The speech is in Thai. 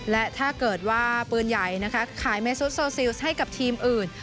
และถ้าเกิดว่าปืนใหญ่นะคะขายเมซุดโซซิลส์ให้กับทีมอื่น